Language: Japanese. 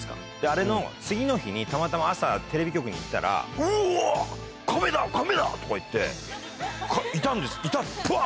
あれの次の日にたまたま朝テレビ局に行ったら「うお！」。とか言っていたんですブワ！